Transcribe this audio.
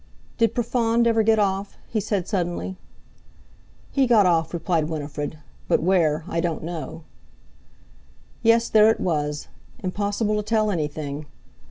"Did Profond ever get off?" he said suddenly. "He got off," replied Winifred, "but where—I don't know." Yes, there it was—impossible to tell anything!